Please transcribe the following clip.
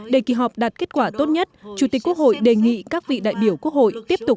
để kỳ họp đạt kết quả tốt nhất chủ tịch quốc hội đề nghị các vị đại biểu quốc hội tiếp tục